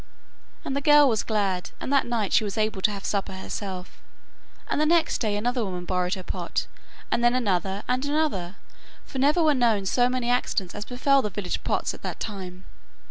And the girl was glad, and that night she was able to have supper herself, and next day another woman borrowed her pot, and then another and another, for never were known so many accidents as befell the village pots at that time.